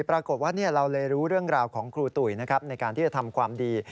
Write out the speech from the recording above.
ปรากฏว่าเราเลยรู้เรื่องราวของครูตุ๋ยนะครับในการที่จะทำความดี